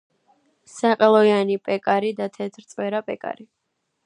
საყელოიანი პეკარი და თეთრწვერა პეკარი.